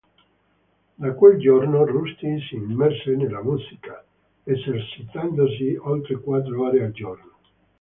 Da quel giorno Rusty si immerse nella musica, esercitandosi oltre quattro ore al giorno.